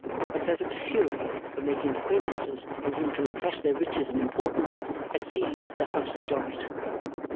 A perfect fury for making acquaintances on whom to impress their riches and importance, had seized the House of Dorrit.